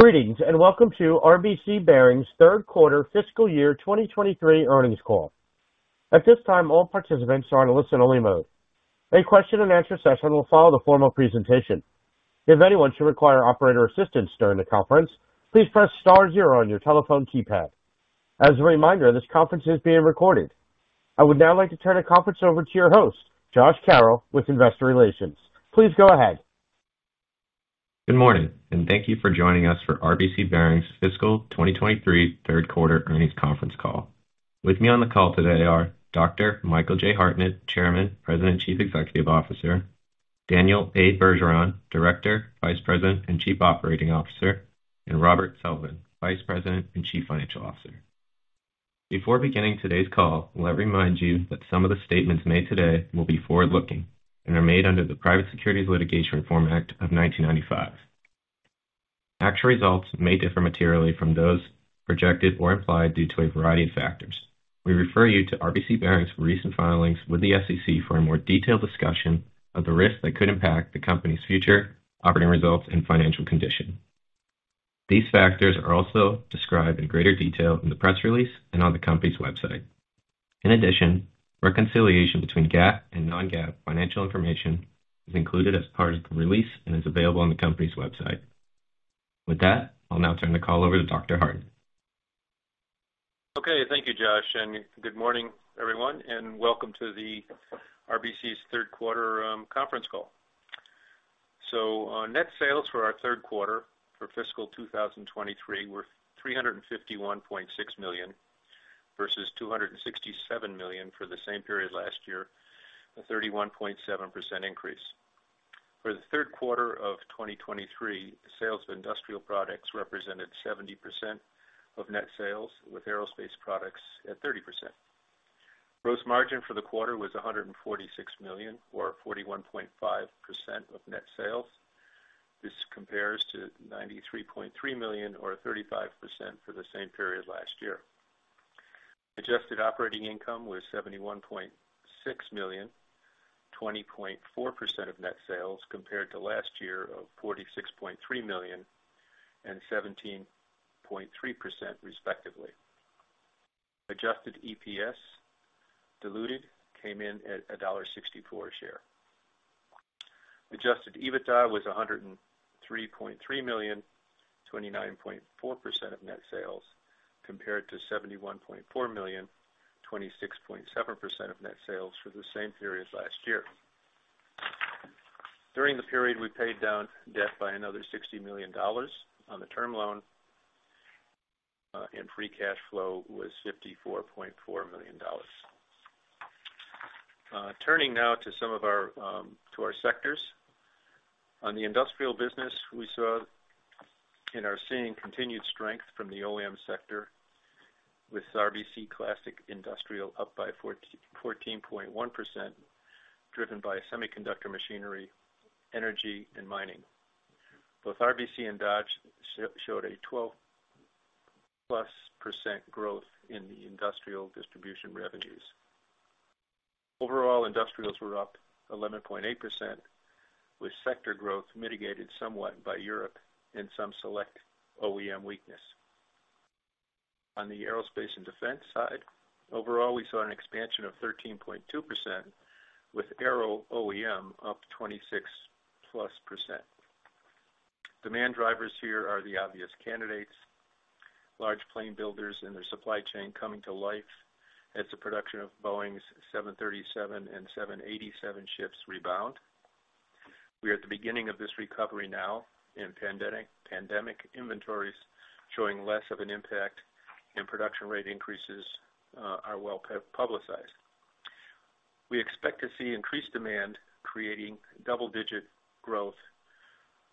Greetings, welcome to RBC Bearings third quarter fiscal year 2023 earnings call. At this time, all participants are in listen-only mode. A question and answer session will follow the formal presentation. If anyone should require operator assistance during the conference, please press star zero on your telephone keypad. As a reminder, this conference is being recorded. I would now like to turn the conference over to your host, Josh Carroll with Investor Relations. Please go ahead. Good morning. Thank you for joining us for RBC Bearings fiscal 2023 third quarter earnings conference call. With me on the call today are Dr. Michael J. Hartnett, Chairman, President, Chief Executive Officer, Daniel A. Bergeron, Director, Vice President, and Chief Operating Officer, and Robert Sullivan, Vice President and Chief Financial Officer. Before beginning today's call, let me remind you that some of the statements made today will be forward-looking and are made under the Private Securities Litigation Reform Act of 1995. Actual results may differ materially from those projected or implied due to a variety of factors. We refer you to RBC Bearings' recent filings with the SEC for a more detailed discussion of the risks that could impact the company's future operating results and financial condition. These factors are also described in greater detail in the press release and on the company's website. Reconciliation between GAAP and non-GAAP financial information is included as part of the release and is available on the company's website. With that, I'll now turn the call over to Dr. Hartnett. Okay. Thank you, Josh, good morning, everyone, and welcome to the RBC's third quarter conference call. On net sales for our third quarter for fiscal 2023 were $351.6 million versus $267 million for the same period last year, a 31.7% increase. For the third quarter of 2023, sales of industrial products represented 70% of net sales, with aerospace products at 30%. Gross margin for the quarter was $146 million or 41.5% of net sales. This compares to $93.3 million or 35% for the same period last year. Adjusted operating income was $71.6 million, 20.4% of net sales compared to last year of $46.3 million and 17.3% respectively. Adjusted EPS diluted came in at $1.64 a share. Adjusted EBITDA was $103.3 million, 29.4% of net sales, compared to $71.4 million, 26.7% of net sales for the same period last year. During the period, we paid down debt by another $60 million on the term loan, and free cash flow was $54.4 million. Turning now to some of our to our sectors. On the industrial business, we saw and are seeing continued strength from the OEM sector with RBC Classic Industrial up by 14.1%, driven by semiconductor machinery, energy, and mining. Both RBC and DODGE showed a 12-plus% growth in the industrial distribution revenues. Overall, industrials were up 11.8%, with sector growth mitigated somewhat by Europe and some select OEM weakness. On the aerospace and defense side, overall, we saw an expansion of 13.2%, with Aero OEM up 26%+. Demand drivers here are the obvious candidates, large plane builders and their supply chain coming to life as the production of Boeing's 737 and 787 ships rebound. We are at the beginning of this recovery now in pandemic inventories showing less of an impact and production rate increases are well publicized. We expect to see increased demand creating double-digit growth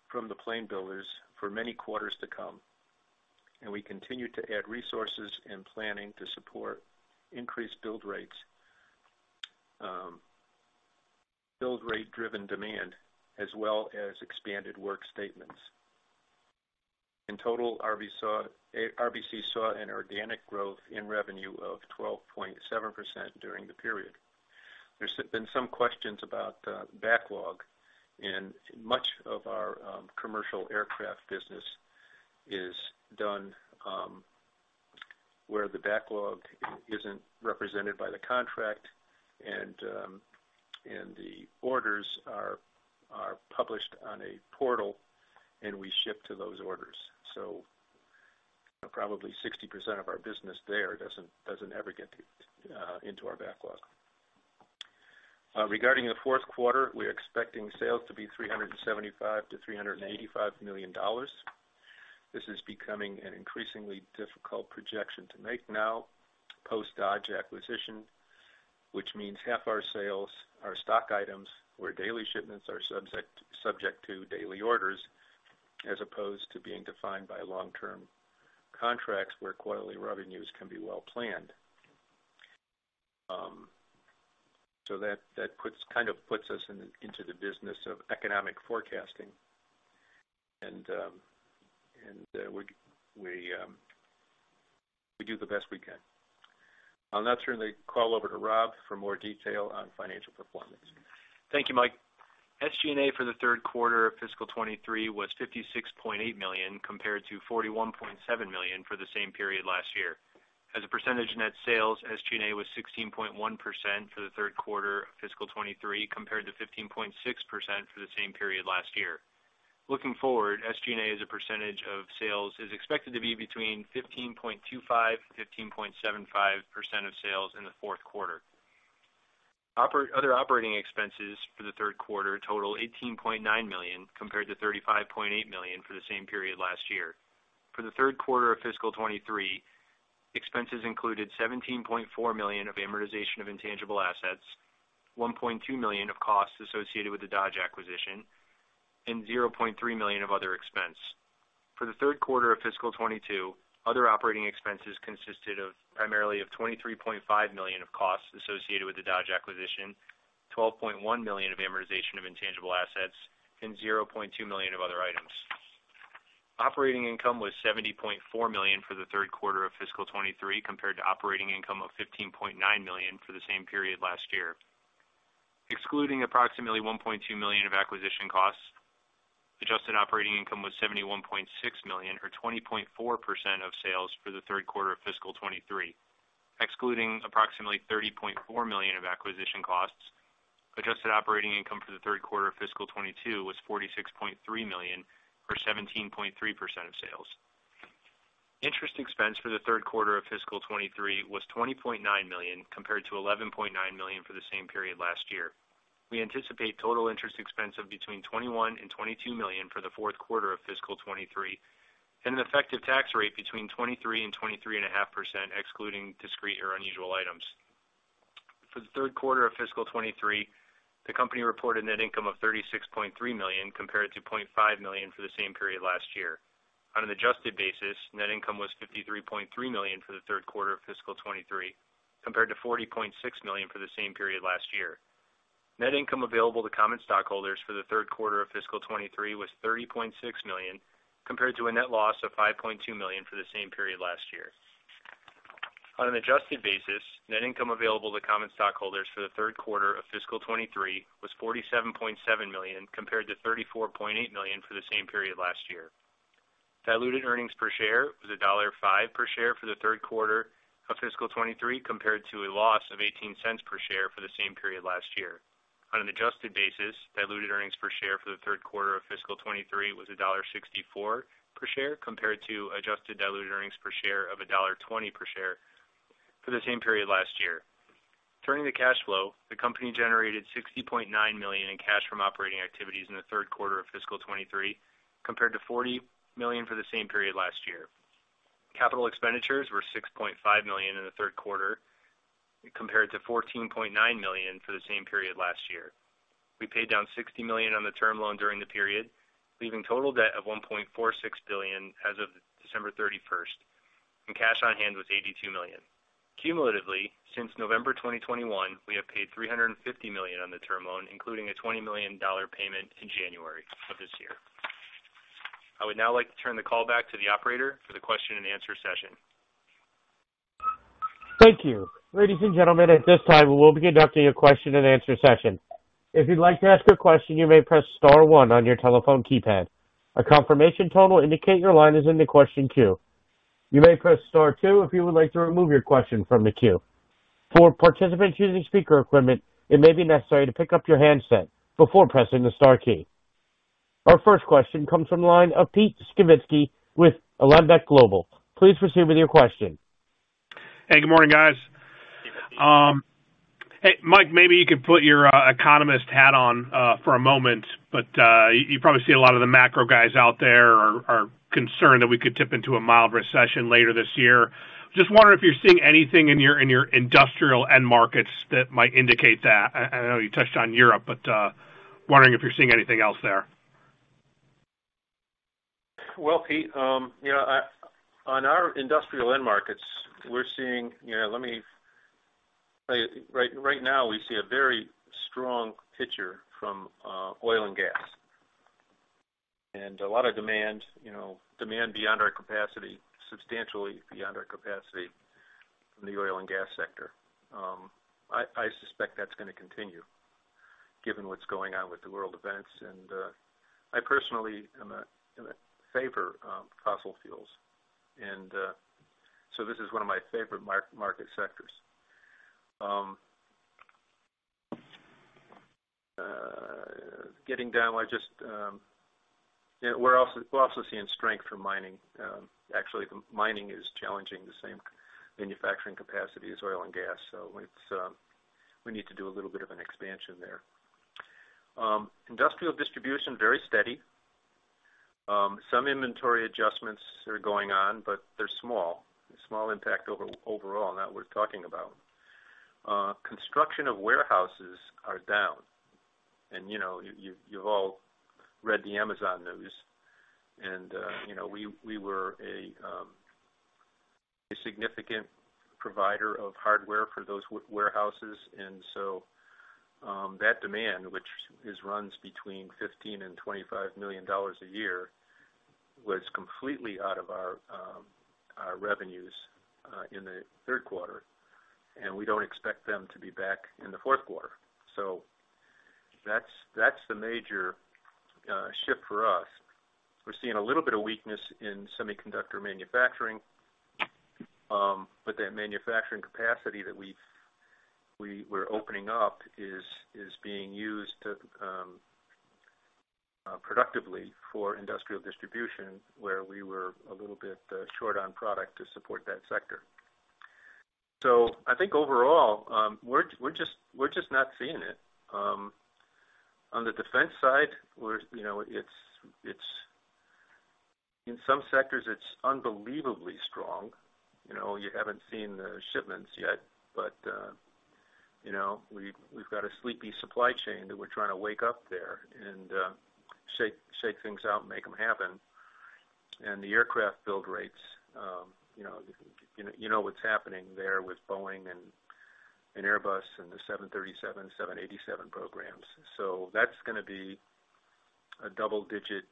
from the plane builders for many quarters to come, and we continue to add resources and planning to support increased build rates, build rate-driven demand, as well as expanded work statements. In total, RBC saw an organic growth in revenue of 12.7% during the period. There's been some questions about backlog, and much of our commercial aircraft business is done where the backlog isn't represented by the contract and the orders are published on a portal, and we ship to those orders. Probably 60% of our business there doesn't ever get into our backlog. Regarding the fourth quarter, we're expecting sales to be $375 million-$385 million. This is becoming an increasingly difficult projection to make now post DODGE acquisition, which means half our sales are stock items where daily shipments are subject to daily orders as opposed to being defined by long-term contracts where quarterly revenues can be well planned. Kind of puts us into the business of economic forecasting. We do the best we can. I'll now turn the call over to Rob for more detail on financial performance. Thank you, Mike. SG&A for the third quarter of fiscal 2023 was $56.8 million, compared to $41.7 million for the same period last year. As a percentage net sales, SG&A was 16.1% for the third quarter of fiscal 2023, compared to 15.6% for the same period last year. Looking forward, SG&A as a percentage of sales is expected to be between 15.25%-15.75% of sales in the fourth quarter. Other operating expenses for the third quarter totaled $18.9 million compared to $35.8 million for the same period last year. For the third quarter of fiscal 2023, expenses included $17.4 million of amortization of intangible assets, $1.2 million of costs associated with the DODGE acquisition, and $0.3 million of other expense. For the third quarter of fiscal 2022, other operating expenses consisted of primarily of $23.5 million of costs associated with the DODGE acquisition, $12.1 million of amortization of intangible assets, and $0.2 million of other items. Operating income was $70.4 million for the third quarter of fiscal 2023, compared to operating income of $15.9 million for the same period last year. Excluding approximately $1.2 million of acquisition costs, Adjusted operating income was $71.6 million or 20.4% of sales for the third quarter of fiscal 2023. Excluding approximately $30.4 million of acquisition costs, Adjusted operating income for the third quarter of fiscal 2022 was $46.3 million, or 17.3% of sales. Interest expense for the third quarter of fiscal 2023 was $20.9 million compared to $11.9 million for the same period last year. We anticipate total interest expense of between $21 million and $22 million for the fourth quarter of fiscal 2023, and an effective tax rate between 23% and 23.5%, excluding discrete or unusual items. For the third quarter of fiscal 2023, the company reported net income of $36.3 million compared to $0.5 million for the same period last year. On an adjusted basis, net income was $53.3 million for the third quarter of fiscal 2023, compared to $40.6 million for the same period last year. Net income available to common stockholders for the third quarter of fiscal 2023 was $30.6 million, compared to a net loss of $5.2 million for the same period last year. On an adjusted basis, net income available to common stockholders for the third quarter of fiscal 2023 was $47.7 million compared to $34.8 million for the same period last year. Diluted earnings per share was $1.05 per share for the third quarter of fiscal 23 compared to a loss of $0.18 per share for the same period last year. On an adjusted basis, diluted earnings per share for the third quarter of fiscal 2023 was $1.64 per share compared to adjusted diluted earnings per share of $1.20 per share for the same period last year. Turning to cash flow, the company generated $60.9 million in cash from operating activities in the third quarter of fiscal 2023 compared to $40 million for the same period last year. Capital expenditures were $6.5 million in the third quarter compared to $14.9 million for the same period last year. We paid down $60 million on the term loan during the period, leaving total debt of $1.46 billion as of December 31st, and cash on hand was $82 million. Cumulatively, since November 2021, we have paid $350 million on the term loan, including a $20 million payment in January of this year. I would now like to turn the call back to the operator for the question and answer session. Thank you. Ladies and gentlemen, at this time, we'll be conducting a question and answer session. If you'd like to ask a question, you may press star one on your telephone keypad. A confirmation tone will indicate your line is in the question queue. You may press star two if you would like to remove your question from the queue. For participants using speaker equipment, it may be necessary to pick up your handset before pressing the star key. Our first question comes from the line of Pete Skibitski with Alembic Global. Please proceed with your question. Hey, good morning, guys. Hey, Mike, maybe you could put your economist hat on for a moment. You probably see a lot of the macro guys out there are concerned that we could tip into a mild recession later this year. Just wondering if you're seeing anything in your industrial end markets that might indicate that. I know you touched on Europe. Wondering if you're seeing anything else there. Well, Pete, you know, on our industrial end markets, we're seeing, you know, let me say right now we see a very strong picture from oil and gas. A lot of demand, you know, demand beyond our capacity, substantially beyond our capacity from the oil and gas sector. I suspect that's gonna continue given what's going on with the world events. I personally am a favor of fossil fuels. This is one of my favorite market sectors. Getting down, I just, yeah, we're also seeing strength from mining. Actually, mining is challenging the same manufacturing capacity as oil and gas. It's, we need to do a little bit of an expansion there. Industrial distribution, very steady. Some inventory adjustments are going on, but they're small. Small impact overall, not worth talking about. Construction of warehouses are down. You know, you've all read the Amazon news and, you know, we were a significant provider of hardware for those warehouses. That demand, which runs between $15 million and $25 million a year, was completely out of our revenues in the third quarter, and we don't expect them to be back in the fourth quarter. That's the major shift for us. We're seeing a little bit of weakness in semiconductor manufacturing. That manufacturing capacity that we're opening up is being used productively for industrial distribution, where we were a little bit short on product to support that sector. I think overall, we're just not seeing it. On the defense side, we're, you know, it's unbelievably strong. You know, you haven't seen the shipments yet, but, you know, we've got a sleepy supply chain that we're trying to wake up there and shake things out and make them happen. The aircraft build rates, you know, you know what's happening there with Boeing and Airbus and the 737, 787 programs. That's gonna be a double-digit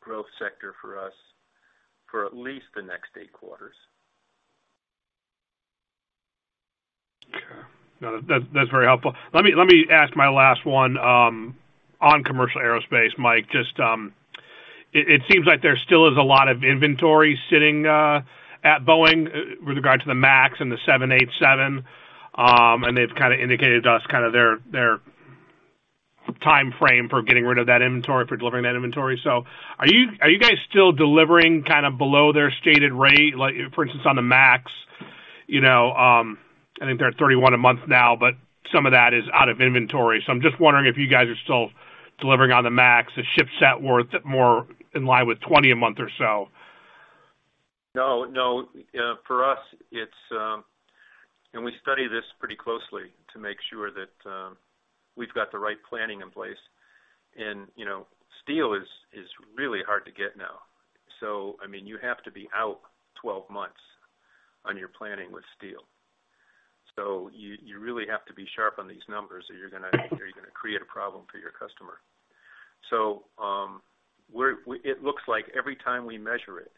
growth sector for us for at least the next eight quarters. Okay. No, that's very helpful. Let me ask my last one on commercial aerospace, Mike. Just it seems like there still is a lot of inventory sitting at Boeing with regard to the MAX and the 787. They've kind of indicated to us kind of their timeframe for getting rid of that inventory, for delivering that inventory. Are you guys still delivering kind of below their stated rate? Like for instance, on the MAX, you know, I think they're at 31 a month now, but some of that is out of inventory. I'm just wondering if you guys are still delivering on the MAX, the ships at worth more in line with 20 a month or so. No, no. For us, it's. We study this pretty closely to make sure that we've got the right planning in place. You know, steel is really hard to get now. I mean, you have to be out 12 months on your planning with steel. You really have to be sharp on these numbers or you're gonna create a problem for your customer. It looks like every time we measure it,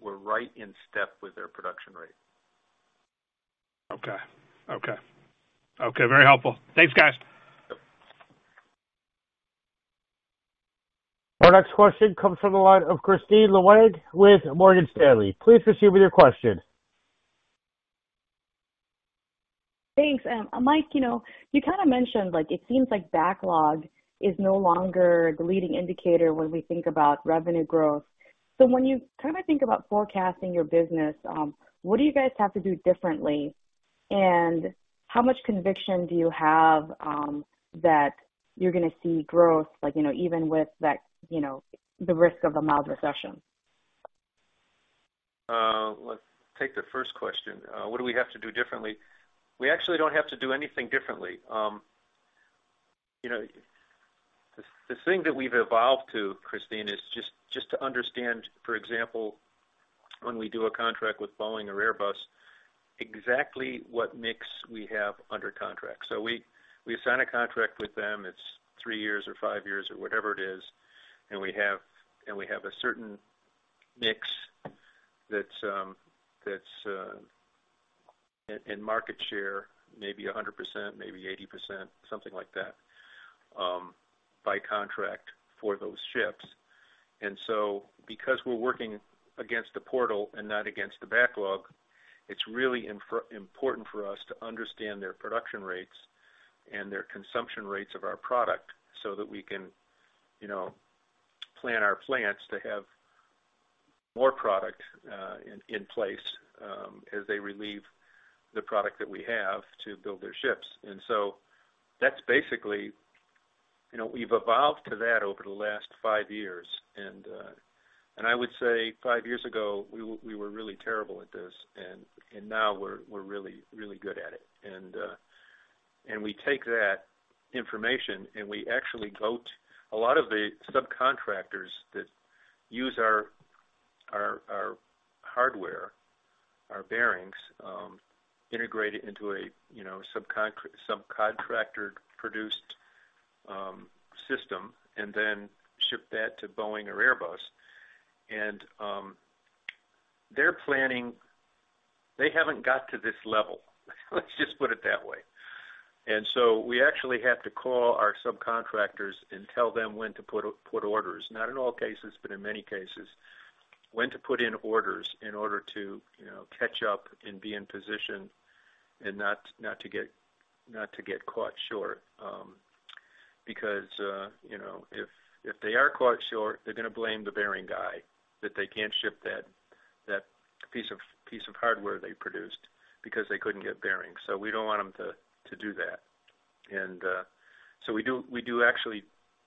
we're right in step with their production rate. Okay. Okay. Okay. Very helpful. Thanks, guys. Our next question comes from the line of Kristine Liwag with Morgan Stanley. Please proceed with your question. Thanks. Mike, you know, you kind of mentioned like it seems like backlog is no longer the leading indicator when we think about revenue growth. When you kind of think about forecasting your business, what do you guys have to do differently? How much conviction do you have, that you're gonna see growth like, you know, even with that, you know, the risk of a mild recession? Let's take the first question. What do we have to do differently? We actually don't have to do anything differently. You know, the thing that we've evolved to, Kristine, is just to understand, for example, when we do a contract with Boeing or Airbus, exactly what mix we have under contract. We sign a contract with them, it's three years or five years or whatever it is, and we have a certain mix that's in market share maybe 100%, maybe 80%, something like that, by contract for those ships. Because we're working against the portal and not against the backlog, it's really important for us to understand their production rates and their consumption rates of our product so that we can, you know, plan our plants to have more product in place as they relieve the product that we have to build their ships. That's basically. You know, we've evolved to that over the last five years. I would say five years ago, we were really terrible at this, and now we're really, really good at it. We take that information and we actually go to a lot of the subcontractors that use our hardware, our bearings, integrated into a, you know, subcontractor-produced system and then ship that to Boeing or Airbus. Their planning, they haven't got to this level. Let's just put it that way. We actually have to call our subcontractors and tell them when to put orders. Not in all cases, but in many cases, when to put in orders in order to, you know, catch up and be in position and not to get caught short. Because, you know, if they are caught short, they're gonna blame the bearing guy that they can't ship that piece of hardware they produced because they couldn't get bearings. We don't want them to do that. We do actually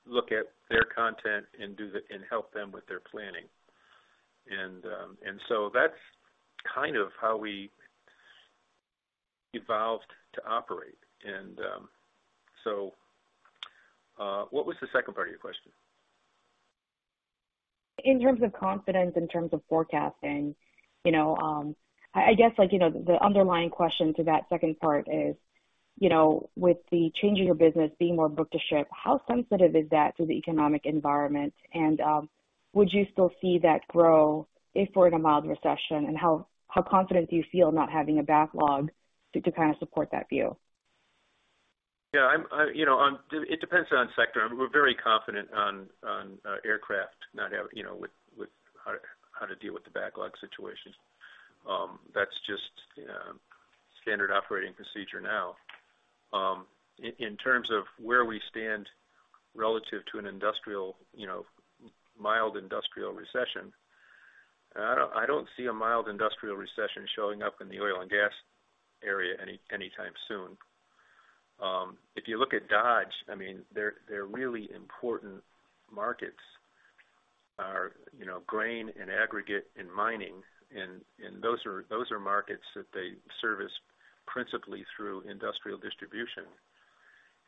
look at their content and help them with their planning. That's kind of how we evolved to operate. What was the second part of your question? In terms of confidence, in terms of forecasting, you know, I guess, like, you know, the underlying question to that second part is, you know, with the change in your business being more book to ship, how sensitive is that to the economic environment? Would you still see that grow if we're in a mild recession? How confident do you feel not having a backlog to kind of support that view? Yeah, I, you know, it depends on sector. We're very confident on aircraft not have, you know, with how to deal with the backlog situation. That's just standard operating procedure now. In terms of where we stand relative to an industrial, you know, mild industrial recession, I don't, I don't see a mild industrial recession showing up in the oil and gas area anytime soon. If you look at Dodge, I mean, their really important markets are, you know, grain and aggregate and mining, and those are markets that they service principally through industrial distribution.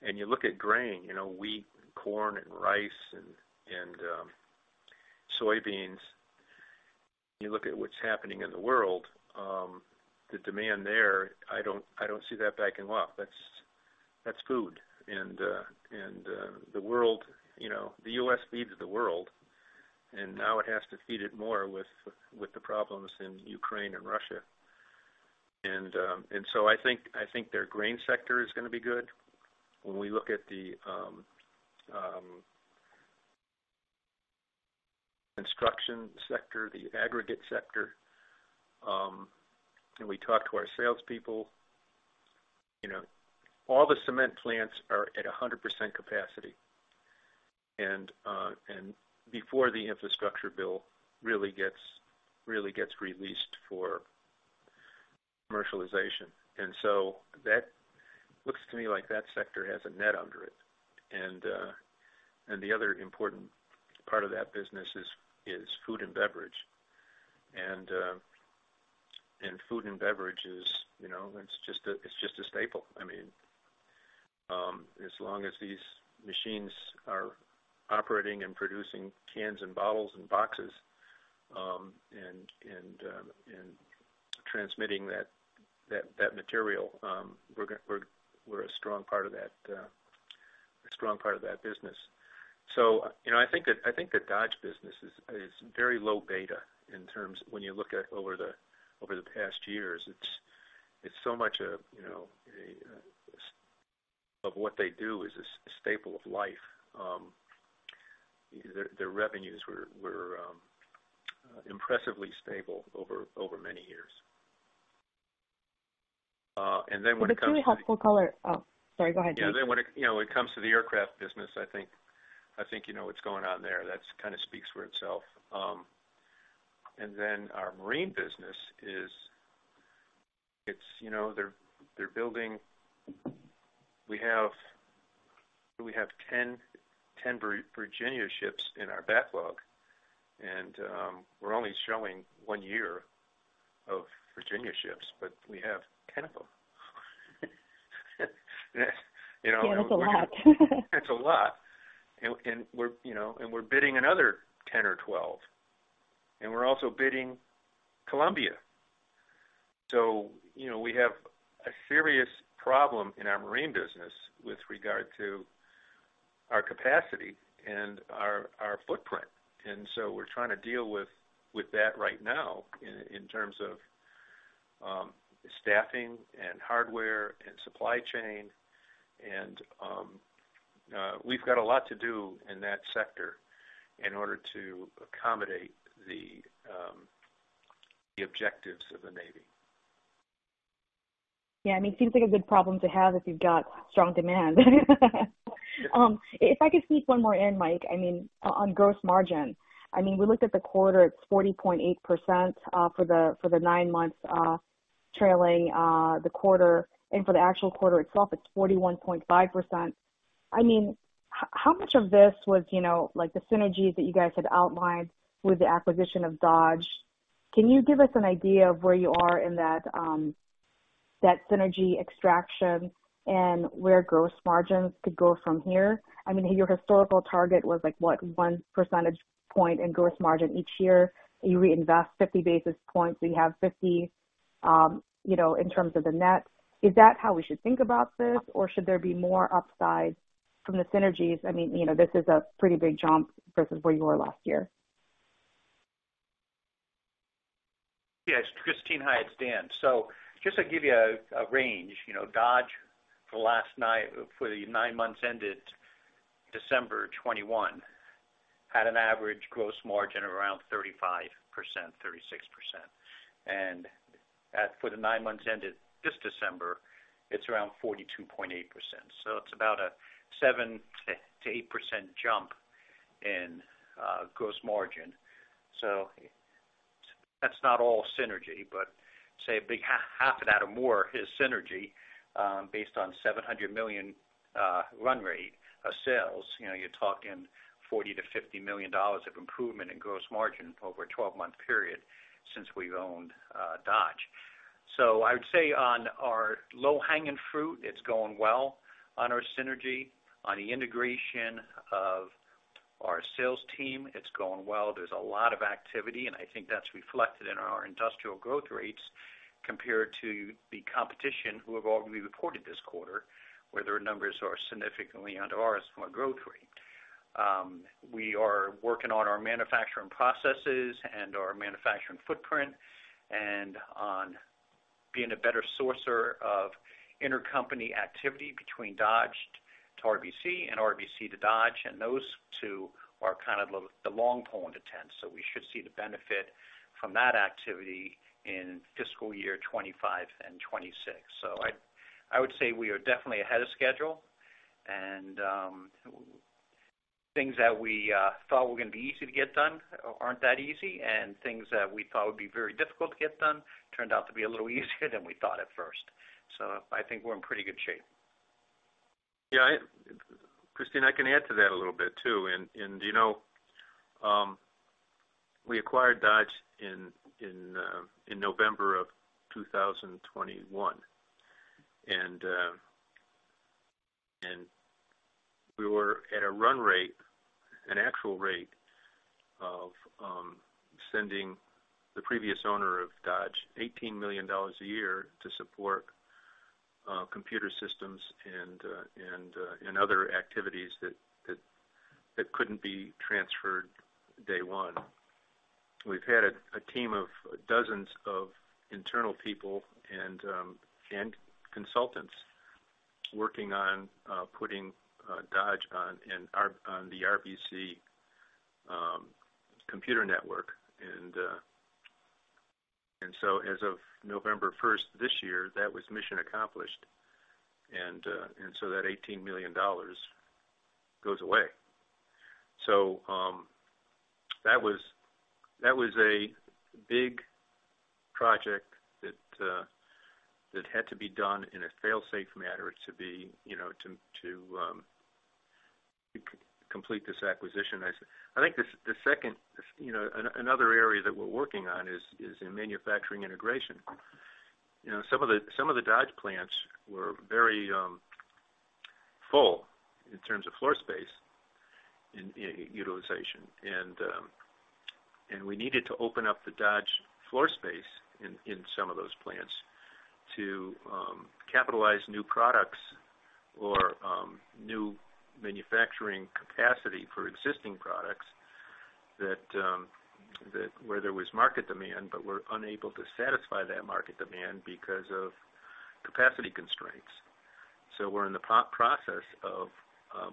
You look at grain, you know, wheat and corn and rice and soybeans, you look at what's happening in the world, the demand there, I don't, I don't see that backing off. That's food. The world, you know, the U.S. feeds the world, and now it has to feed it more with the problems in Ukraine and Russia. I think their grain sector is going to be good. When we look at the construction sector, the aggregate sector, and we talk to our salespeople, you know, all the cement plants are at 100% capacity, before the infrastructure bill released for commercialization. That looks to me like that sector has a net under it. The other important part of that business is food and beverage. Food and beverage is, you know, it's just a staple. I mean, as long as these machines are operating and producing cans and bottles and boxes, and transmitting that material, we're a strong part of that, a strong part of that business. You know, I think the DODGE business is very low beta in terms when you look at over the past years. It's so much a, you know, of what they do is a staple of life. Their revenues were impressively stable over many years. It's really helpful color. Oh, sorry, go ahead, please. Yeah. When it, you know, when it comes to the aircraft business, I think you know what's going on there. That kind of speaks for itself. Our marine business is. It's, you know, they're building. We have 10 Virginia ships in our backlog, and we're only showing one year of Virginia ships, but we have 10 of them. You know. Yeah, that's a lot. That's a lot. We're, you know, and we're bidding another 10 or 12, and we're also bidding Columbia. You know, we have a serious problem in our marine business with regard to our capacity and our footprint. We're trying to deal with that right now in terms of staffing and hardware and supply chain. We've got a lot to do in that sector in order to accommodate the objectives of the Navy. Yeah, I mean, it seems like a good problem to have if you've got strong demand. If I could sneak one more in, Mike, I mean, on gross margin. I mean, we looked at the quarter, it's 40.8%, for the nine months trailing the quarter. For the actual quarter itself, it's 41.5%. I mean, how much of this was, you know, like the synergies that you guys had outlined with the acquisition of DODGE? Can you give us an idea of where you are in that synergy extraction and where gross margins could go from here? I mean, your historical target was like, what, 1 percentage point in gross margin each year. You reinvest 50 basis points, so you have 50, you know, in terms of the net. Is that how we should think about this, or should there be more upside from the synergies? I mean, you know, this is a pretty big jump versus where you were last year. Yes, Kristine. Hi, it's Dan. Just to give you a range. You know, Dodge for the nine months ended December 2021, had an average gross margin around 35%-36%. For the nine months ended this December, it's around 42.8%. It's about a 7%-8% jump in gross margin. That's not all synergy, but say a big half of that or more is synergy, based on $700 million run rate of sales. You know, you're talking $40 million-$50 million of improvement in gross margin over a 12-month period since we've owned Dodge. I would say on our low-hanging fruit, it's going well on our synergy. On the integration of our sales team, it's going well. There's a lot of activity, and I think that's reflected in our industrial growth rates compared to the competition who have already reported this quarter, where their numbers are significantly under ours from a growth rate. We are working on our manufacturing processes and our manufacturing footprint and on being a better sourcer of intercompany activity between DODGE to RBC and RBC to DODGE. Those two are kind of the long pole in the tent. We should see the benefit from that activity in fiscal year 2025 and 2026. I would say we are definitely ahead of schedule, and things that we thought were going to be easy to get done aren't that easy. Things that we thought would be very difficult to get done turned out to be a little easier than we thought at first. I think we're in pretty good shape. Yeah. Kristine, I can add to that a little bit too. You know, we acquired Dodge in November of 2021. We were at a run rate, an actual rate of sending the previous owner of Dodge $18 million a year to support computer systems and other activities that couldn't be transferred day one. We've had a team of dozens of internal people and consultants working on putting Dodge on the RBC computer network. As of November 1st this year, that was mission accomplished. That $18 million goes away. That was a big project that had to be done in a fail-safe manner to be, you know, to complete this acquisition. I think the second, you know, another area that we're working on is in manufacturing integration. You know, some of the Dodge plants were very full in terms of floor space utilization. We needed to open up the Dodge floor space in some of those plants to capitalize new products or new manufacturing capacity for existing products that where there was market demand but were unable to satisfy that market demand because of capacity constraints. We're in the process of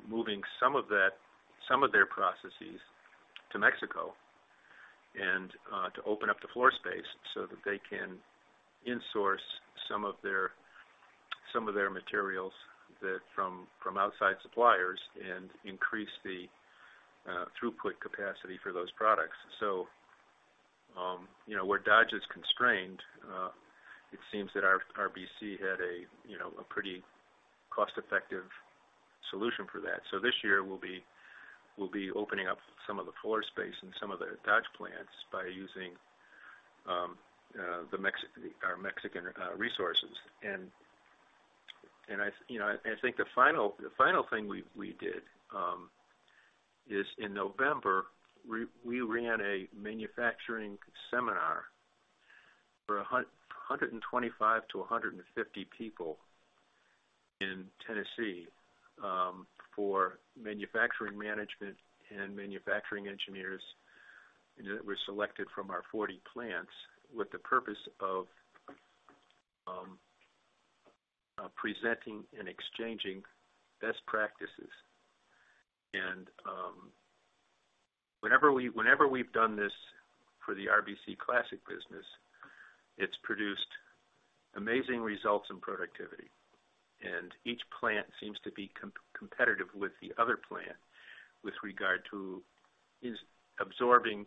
moving some of their processes to Mexico and to open up the floor space so that they can insource some of their materials that from outside suppliers and increase the throughput capacity for those products. You know, where Dodge is constrained, it seems that our RBC had a, you know, a pretty cost-effective solution for that. This year we'll be opening up some of the floor space in some of the Dodge plants by using our Mexican resources. I, you know, I think the final, the final thing we did, is in November, we ran a manufacturing seminar for 125 to 150 people in Tennessee, for manufacturing management and manufacturing engineers, and it was selected from our 40 plants with the purpose of presenting and exchanging best practices. Whenever we've done this for the RBC Classic business, it's produced amazing results in productivity. Each plant seems to be competitive with the other plant with regard to is absorbing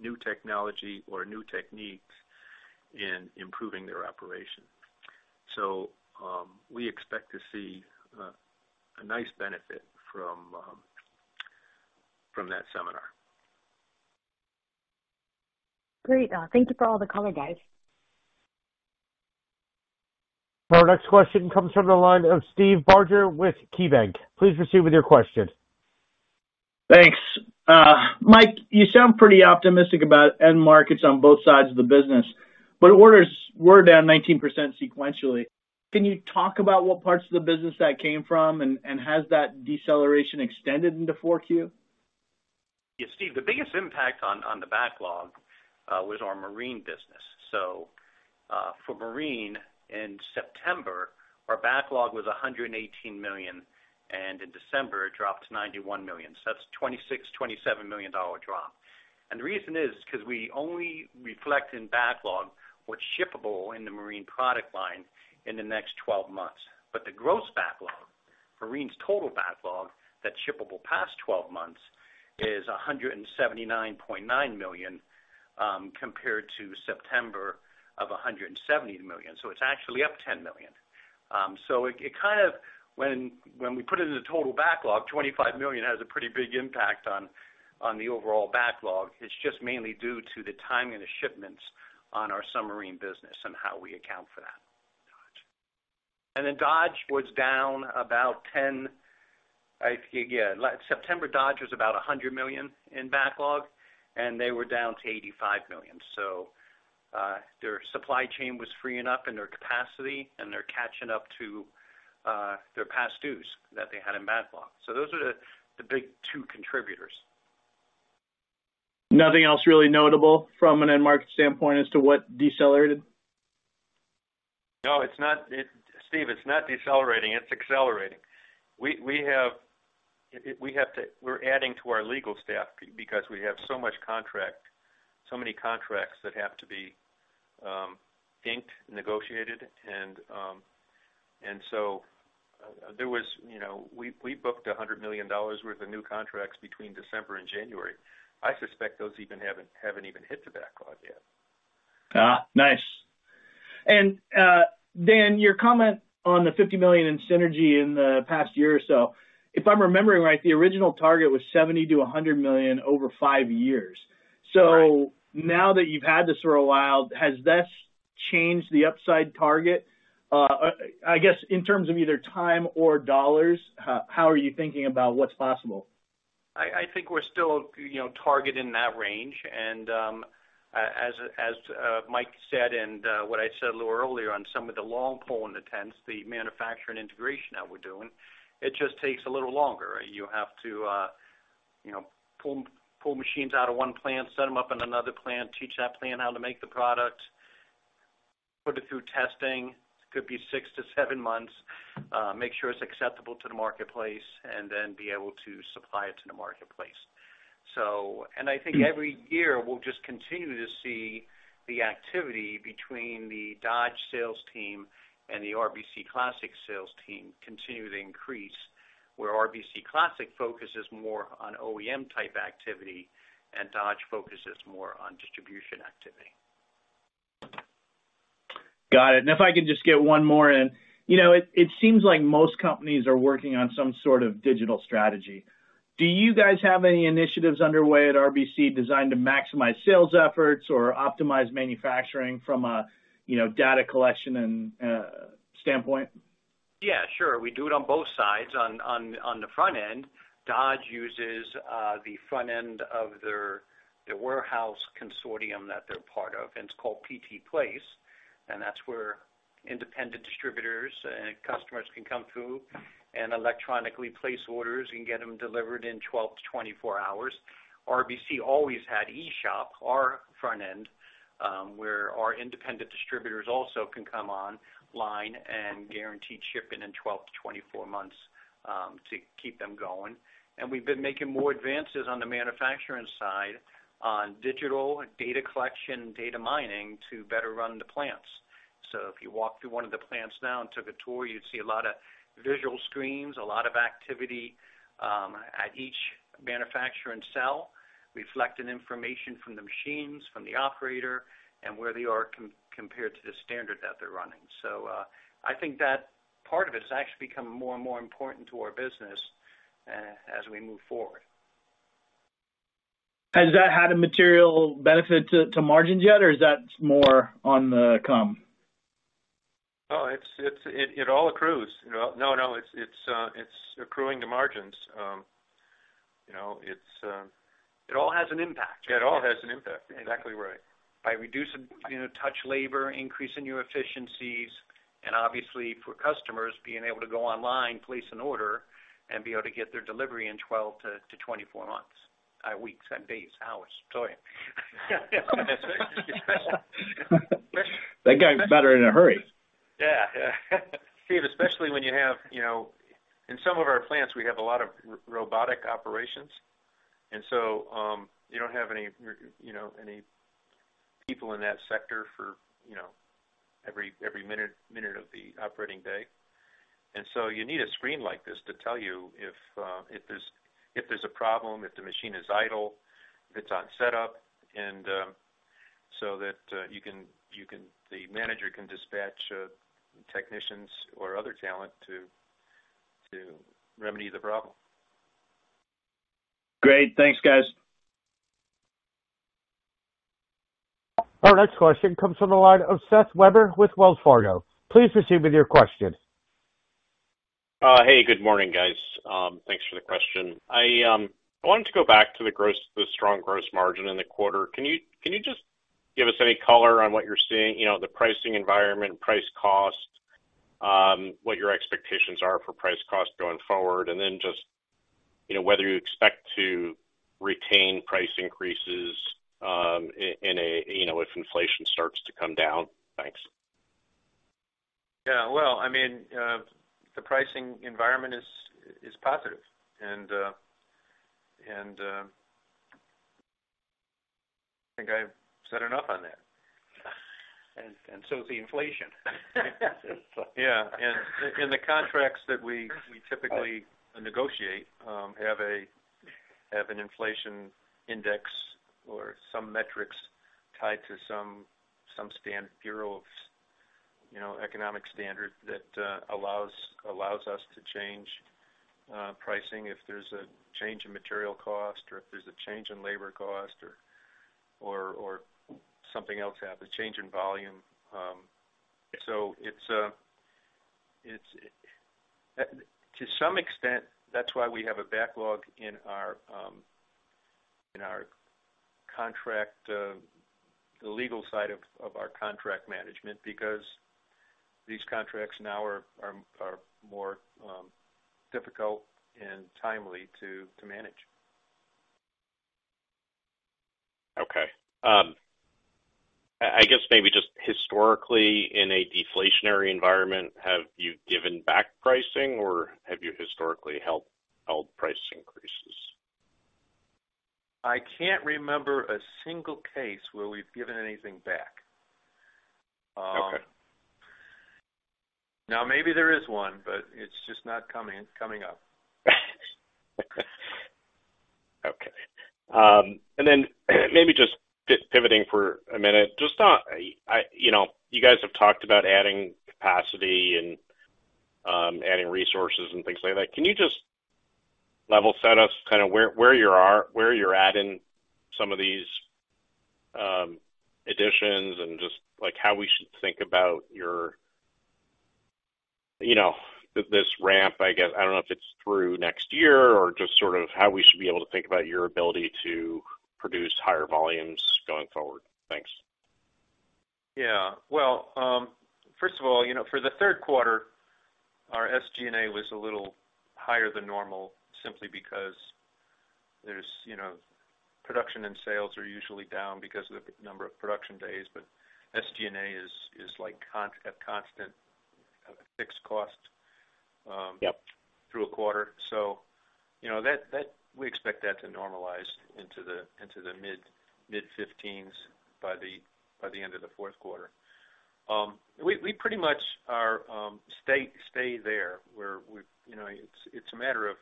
new technology or new techniques in improving their operation. We expect to see a nice benefit from that seminar. Great. Thank you for all the color, guys. Our next question comes from the line of Steve Barger with KeyBanc. Please proceed with your question. Thanks. Mike, you sound pretty optimistic about end markets on both sides of the business. Orders were down 19% sequentially. Can you talk about what parts of the business that came from, and has that deceleration extended into 4Q? Yeah, Steve, the biggest impact on the backlog was our marine business. For marine, in September, our backlog was $118 million, and in December it dropped to $91 million. That's a $26 million-$27 million drop. The reason is 'cause we only reflect in backlog what's shippable in the marine product line in the next 12 months. The gross backlog, marine's total backlog that's shippable past 12 months is $179.9 million, compared to September of $170 million. It's actually up $10 million. When we put it in a total backlog, $25 million has a pretty big impact on the overall backlog. It's just mainly due to the timing of shipments on our submarine business and how we account for that. DODGE was down about 10. I think, yeah, September, DODGE was about $100 million in backlog, and they were down to $85 million. Their supply chain was freeing up in their capacity, and they're catching up to their past dues that they had in backlog. Those are the two big contributors. Nothing else really notable from an end market standpoint as to what decelerated? No, it's not. Steve, it's not decelerating, it's accelerating. We're adding to our legal staff because we have so much contract, so many contracts that have to be inked, negotiated. So there was, you know, we booked $100 million worth of new contracts between December and January. I suspect those even haven't even hit the backlog yet. Nice. Dan, your comment on the $50 million in synergy in the past year or so, if I'm remembering right, the original target was $70 million-$100 million over five years. Right. Now that you've had this for a while, has this changed the upside target? I guess in terms of either time or dollars, how are you thinking about what's possible? I think we're still, you know, targeting that range. As Mike said, and what I said a little earlier on some of the long pole in the tent, the manufacturing integration that we're doing, it just takes a little longer. You have to, you know, pull machines out of one plant, set them up in another plant, teach that plant how to make the product, put it through testing. It could be six to seven months, make sure it's acceptable to the marketplace, and then be able to supply it to the marketplace. I think every year, we'll just continue to see the activity between the DODGE sales team and the RBC Classic sales team continue to increase, where RBC Classic focuses more on OEM type activity, and DODGE focuses more on distribution activity. Got it. If I could just get one more in. You know, it seems like most companies are working on some sort of digital strategy. Do you guys have any initiatives underway at RBC designed to maximize sales efforts or optimize manufacturing from a, you know, data collection and standpoint? Yeah, sure. We do it on both sides. On the front end, DODGE uses the front end of their warehouse consortium that they're part of, and it's called PTplace. That's where independent distributors and customers can come through and electronically place orders and get them delivered in 12-24 hours. RBC always had eShop, our front end, where our independent distributors also can come online and guarantee shipping in 12-24 months to keep them going. We've been making more advances on the manufacturing side on digital data collection, data mining to better run the plants. If you walk through one of the plants now and took a tour, you'd see a lot of visual screens, a lot of activity, at each manufacturer and cell, reflecting information from the machines, from the operator, and where they are compared to the standard that they're running. I think that part of it is actually become more and more important to our business as we move forward. Has that had a material benefit to margins yet, or is that more on the come? No, it's it all accrues. No, it's accruing to margins. You know, it's. It all has an impact. It all has an impact. Exactly right. By reducing, you know, touch labor, increasing your efficiencies, and obviously for customers being able to go online, place an order, and be able to get their delivery in 12-24 months, weeks and days, hours. Sorry. That guy's better in a hurry. Yeah. Steve, especially when you have, you know. In some of our plants, we have a lot of robotic operations, and so you don't have any, you know, any people in that sector for, you know, every minute of the operating day. You need a screen like this to tell you if there's a problem, if the machine is idle, if it's on setup, and so that the manager can dispatch technicians or other talent to remedy the problem. Great. Thanks, guys. Our next question comes from the line of Seth Weber with Wells Fargo. Please proceed with your question. Hey, good morning, guys. Thanks for the question. I wanted to go back to the strong gross margin in the quarter. Can you just give us any color on what you're seeing, you know, the pricing environment, price cost, what your expectations are for price cost going forward, and then just, you know, whether you expect to retain price increases, in a, you know, if inflation starts to come down? Thanks. Yeah. Well, I mean, the pricing environment is positive, and I think I've said enough on that. Is the inflation. Yeah. In the contracts that we typically negotiate, have a Have an inflation index or some metrics tied to some bureau of, you know, economic standard that allows us to change pricing if there's a change in material cost or if there's a change in labor cost or something else happens, change in volume. To some extent, that's why we have a backlog in our in our contract, the legal side of our contract management because these contracts now are more difficult and timely to manage. Okay. I guess maybe just historically in a deflationary environment, have you given back pricing or have you historically held price increases? I can't remember a single case where we've given anything back. Okay. Maybe there is one, but it's just not coming up. Maybe just pivoting for a minute. Just on, you know, you guys have talked about adding capacity and adding resources and things like that. Can you just level set us kind of where you are, where you're at in some of these additions and just like how we should think about your, you know, this ramp, I guess, I don't know if it's through next year or just sort of how we should be able to think about your ability to produce higher volumes going forward. Thanks. Yeah. Well, first of all, you know, for the third quarter, our SG&A was a little higher than normal simply because there's, you know, production and sales are usually down because of the number of production days, but SG&A is like a constant, a fixed cost through a quarter. You know, that we expect that to normalize into the mid-15s by the end of the fourth quarter. We pretty much are, stay there where you know, it's a matter of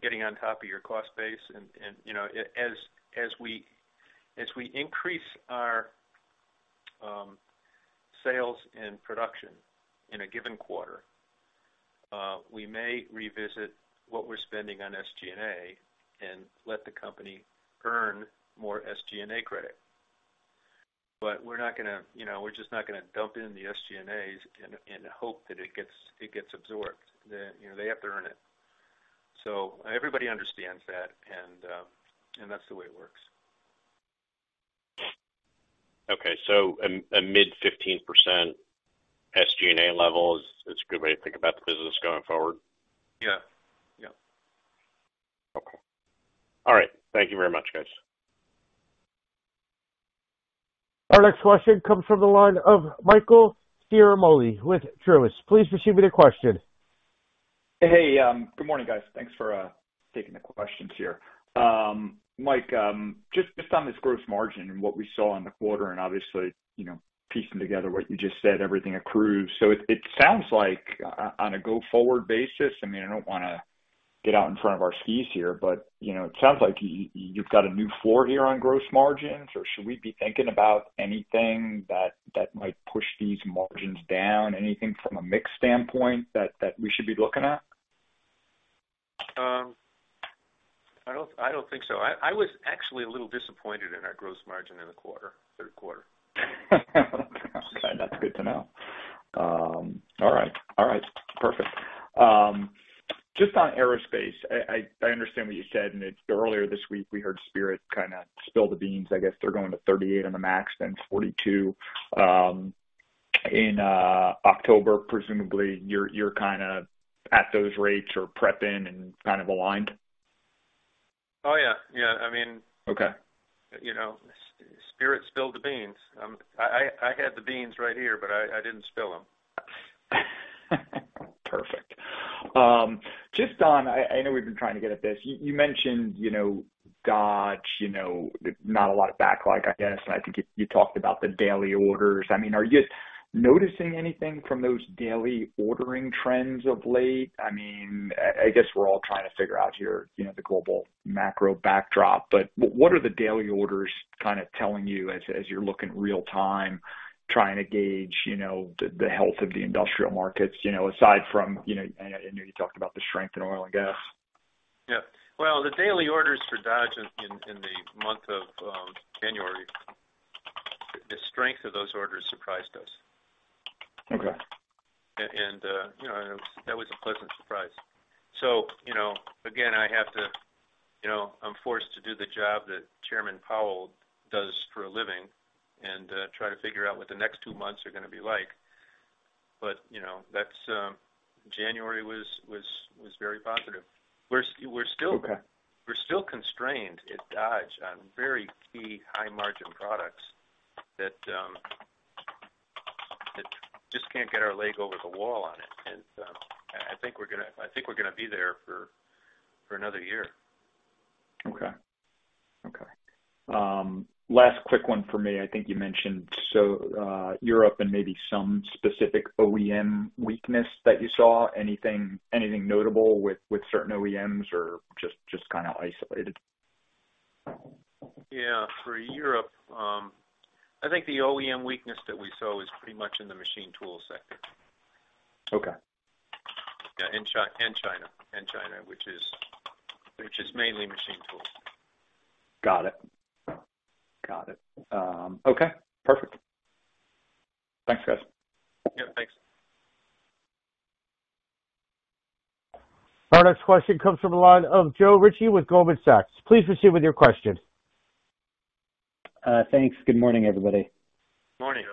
getting on top of your cost base and, you know, as we increase our sales and production in a given quarter, we may revisit what we're spending on SG&A and let the company earn more SG&A credit. We're not gonna, you know, we're just not gonna dump in the SG&As and hope that it gets absorbed. You know, they have to earn it. Everybody understands that, and that's the way it works. Okay. A mid-15% SG&A level is a good way to think about the business going forward. Yeah. Yeah. Okay. All right. Thank you very much, guys. Our next question comes from the line of Michael Ciarmoli with Truist. Please proceed with your question. Hey, good morning, guys. Thanks for taking the questions here. Mike, just on this gross margin and what we saw in the quarter, and obviously, you know, piecing together what you just said, everything accrues. It sounds like on a go-forward basis, I mean, I don't wanna get out in front of our skis here, but, you know, it sounds like you've got a new floor here on gross margins. Or should we be thinking about anything that might push these margins down? Anything from a mix standpoint that we should be looking at? I don't think so. I was actually a little disappointed in our gross margin in the quarter, third quarter. That's good to know. All right. All right. Perfect. Just on aerospace, I understand what you said, and it's earlier this week, we heard Spirit kinda spill the beans. I guess they're going to 38 on the MAX, then 42 in October. Presumably you're kinda at those rates or prepping and kind of aligned. Oh, yeah. Yeah. Okay You know, Spirit spilled the beans. I had the beans right here, but I didn't spill them. Perfect. Just on... I know we've been trying to get at this. You mentioned, you know, DODGE, you know, not a lot of backlog, I guess, and I think you talked about the daily orders. I mean, are you noticing anything from those daily ordering trends of late? I mean, I guess we're all trying to figure out here, you know, the global macro backdrop. What are the daily orders kind of telling you as you're looking real-time, trying to gauge, you know, the health of the industrial markets, you know, aside from, you know, I know you talked about the strength in oil and gas? Well, the daily orders for DODGE in the month of January, the strength of those orders surprised us. Okay. You know, that was a pleasant surprise. You know, again, I have to, you know, I'm forced to do the job that Chairman Powell does for a living and try to figure out what the next two months are gonna be like. You know, that's, January was very positive. Okay we're still constrained at DODGE on very key high-margin products that just can't get our leg over the wall on it. I think we're gonna be there for another year. Okay. Last quick one for me. I think you mentioned so, Europe and maybe some specific OEM weakness that you saw. Anything notable with certain OEMs or just kinda isolated? For Europe, I think the OEM weakness that we saw was pretty much in the machine tool sector. Okay. Yeah. In China, which is mainly machine tools. Got it. Got it. Okay. Perfect. Thanks, guys. Yeah, thanks. Our next question comes from the line of Joe Ritchie with Goldman Sachs. Please proceed with your question. Thanks. Good morning, everybody. Morning,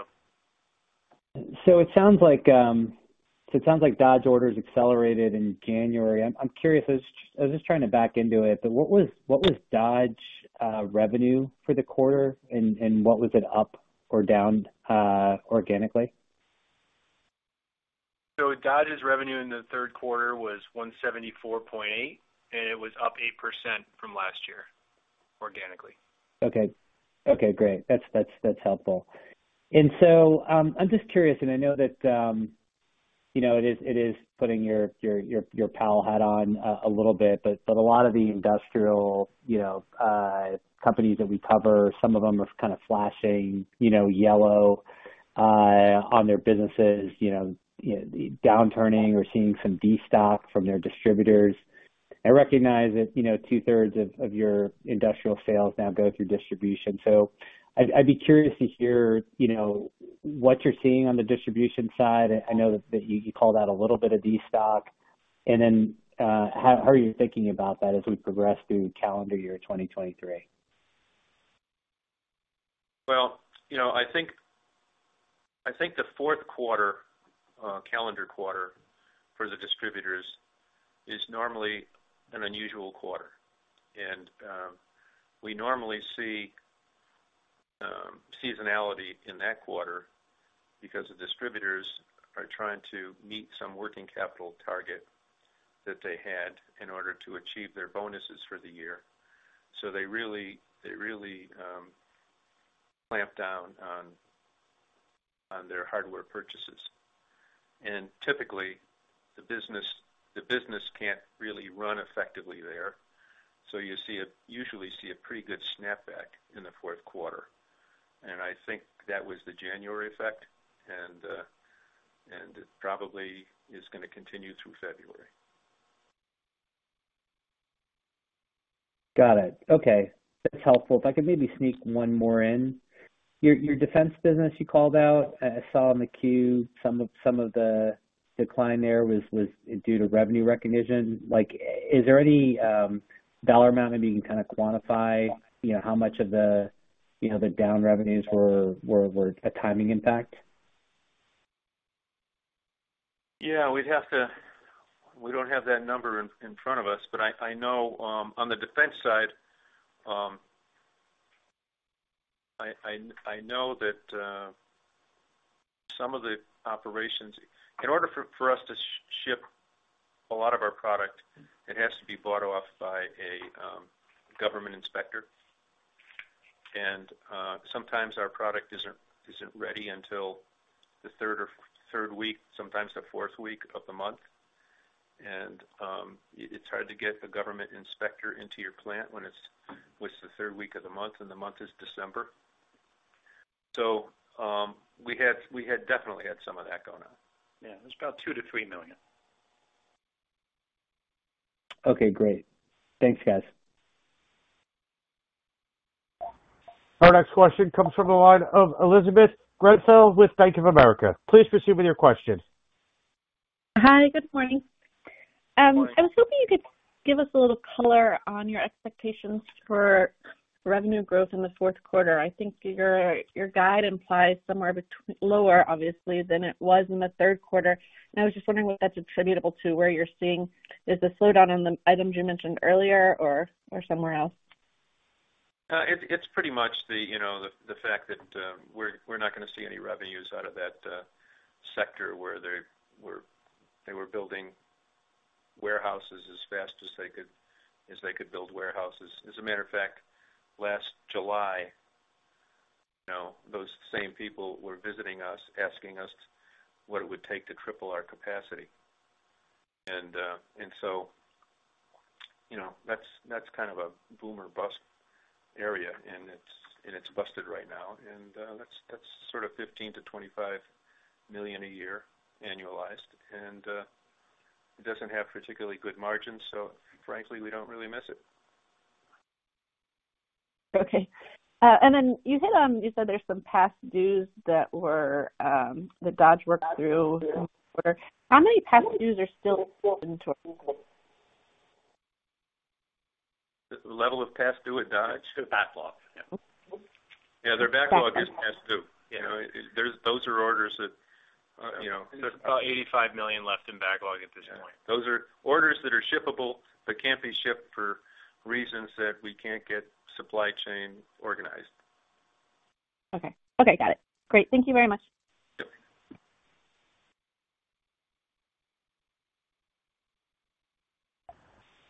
Joe. It sounds like Dodge orders accelerated in January. I'm curious. I was just trying to back into it, but what was Dodge revenue for the quarter and what was it up or down organically? Dodge's revenue in the third quarter was $174.8, and it was up 8% from last year organically. Okay, great. That's helpful. I'm just curious, and I know that, you know, it is putting your Powell hat on a little bit, but a lot of the industrial, you know, companies that we cover, some of them are kind of flashing, you know, yellow on their businesses. You know, down turning or seeing some destock from their distributors. I recognize that, you know, 2/3 of your industrial sales now go through distribution. I'd be curious to hear, you know, what you're seeing on the distribution side. I know that you called out a little bit of destock. How are you thinking about that as we progress through calendar year 2023? Well, you know, I think the fourth quarter, calendar quarter for the distributors is normally an unusual quarter. We normally see seasonality in that quarter because the distributors are trying to meet some working capital target that they had in order to achieve their bonuses for the year. They really clamp down on their hardware purchases. Typically, the business can't really run effectively there. You usually see a pretty good snapback in the fourth quarter. I think that was the January effect, and it probably is gonna continue through February. Got it. Okay. That's helpful. If I could maybe sneak one more in. Your defense business you called out, I saw in the Q some of the decline there was due to revenue recognition. Like is there any dollar amount that you can kinda quantify, you know, how much of the, you know, the down revenues were a timing impact? Yeah. We don't have that number in front of us, but I know on the defense side, I know that some of the operations. In order for us to ship a lot of our product, it has to be bought off by a government inspector. Sometimes our product isn't ready until the third week, sometimes the fourth week of the month. It's hard to get the government inspector into your plant when it's with the third week of the month and the month is December. We had definitely had some of that going on. Yeah. It was about $2 million-$3 million. Okay, great. Thanks, guys. Our next question comes from the line of Elizabeth Grenfell with Bank of America. Please proceed with your question. Hi. Good morning. Good morning. I was hoping you could give us a little color on your expectations for revenue growth in the fourth quarter. I think your guide implies somewhere lower obviously than it was in the third quarter. I was just wondering what that's attributable to, where you're seeing. Is this slowdown on the items you mentioned earlier or somewhere else? It's pretty much the, you know, the fact that we're not gonna see any revenues out of that sector where they were building warehouses as fast as they could build warehouses. As a matter of fact, last July, you know, those same people were visiting us, asking us what it would take to triple our capacity. You know, that's kind of a boom or bust area, and it's busted right now. That's sort of $15 million-$25 million a year annualized. It doesn't have particularly good margins, so frankly, we don't really miss it. Okay. You said there's some past dues that were, that Dodge worked through. How many past dues are still into it? The level of past due at Dodge? The backlog. Yeah. Yeah. Their backlog is past due. Backlog. You know, Those are orders that, you know, There's about $85 million left in backlog at this point. Those are orders that are shippable but can't be shipped for reasons that we can't get supply chain organized. Okay. Okay, got it. Great. Thank you very much.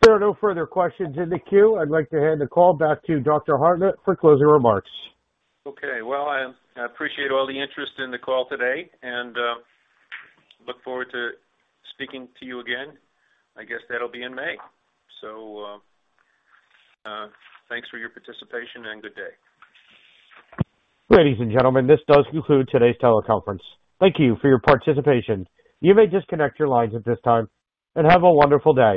Sure. There are no further questions in the queue. I'd like to hand the call back to Dr. Hartnett for closing remarks. Okay. Well, I appreciate all the interest in the call today and look forward to speaking to you again. I guess that'll be in May. Thanks for your participation and good day. Ladies and gentlemen, this does conclude today's teleconference. Thank you for your participation. You may disconnect your lines at this time, and have a wonderful day.